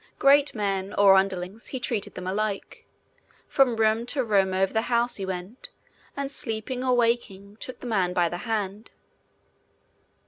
Great men or underlings, he treated them all alike. From room to room over the house he went, and sleeping or waking took the man by the hand.